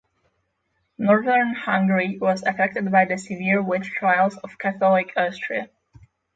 Northern Hungary was affected by the severe witch trials of Catholic Austria.